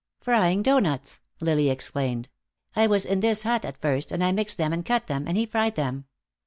"Frying doughnuts," Lily explained. "I was in this hut at first, and I mixed them and cut them, and he fried them.